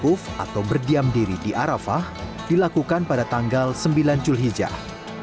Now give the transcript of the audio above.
huff atau berdiam diri di arafah dilakukan pada tanggal sembilan julhijjah